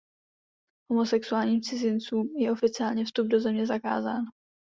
Homosexuálním cizincům je oficiálně vstup do země zakázán.